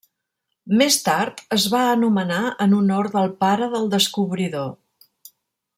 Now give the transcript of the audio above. Més tard, es va anomenar en honor del pare del descobridor.